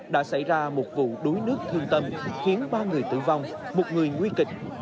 đã xảy ra một vụ đuối nước thương tâm khiến ba người tử vong một người nguy kịch